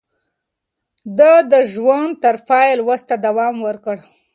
ده د ژوند تر پايه لوست ته دوام ورکړ.